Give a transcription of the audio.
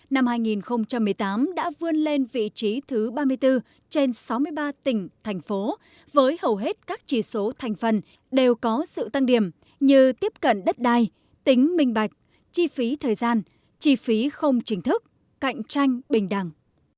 năm hai nghìn một mươi tám đã vươn lên vị trí thứ ba mươi bốn trên sáu mươi ba tỉnh thành phố với hầu hết các chỉ số thành phần đều có sự tăng điểm như tiếp cận đất đai tính minh bạch chi phí thời gian chi phí không chính thức cạnh tranh bình đẳng